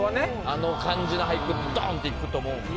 あの感じの俳句ってドンといくと思うんで。